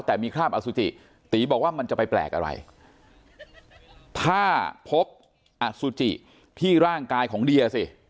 แต่มีคราบอสุจิตีบอกว่ามันจะไปแปลกอะไรถ้าพบอสุจิที่ร่างกายของเดียสิ